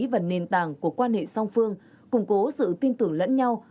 và nền tảng của quan hệ song phương củng cố sự tin tưởng lẫn nhau